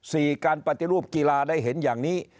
การปฏิรูปกีฬาได้เห็นอย่างนี้